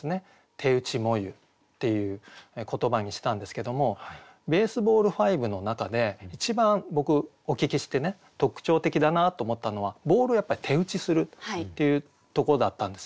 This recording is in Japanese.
「手打ち炎ゆ」っていう言葉にしたんですけどもＢａｓｅｂａｌｌ５の中で一番僕お聞きして特徴的だなと思ったのはボールをやっぱり手打ちするっていうとこだったんですよね。